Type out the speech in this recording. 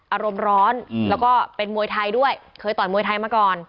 อารมณ์ร้อนแล้วก็เป็นมวยไทยด้วยเคยต่อยมวยไทยมาก่อน